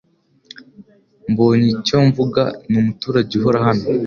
Mbonyicyomvuga ni umuturage uhora hano .